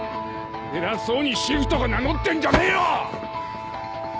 偉そうにシェフとか名乗ってんじゃねぇよ！